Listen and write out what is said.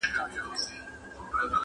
پر بګړۍ به وي زلمیو ګل ټومبلي!